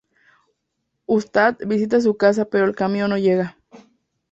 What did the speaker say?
Ustad visita su casa pero el camión no llega.